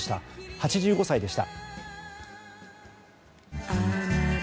８５歳でした。